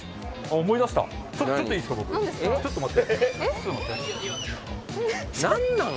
「思い出した」って。